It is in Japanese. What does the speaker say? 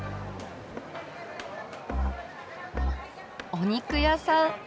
お肉屋さん。